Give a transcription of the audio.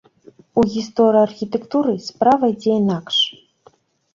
У гісторыі архітэктуры справа ідзе інакш.